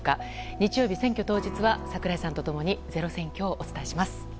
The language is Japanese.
日曜日、選挙当日は櫻井さんと共にｚｅｒｏ選挙をお伝えします。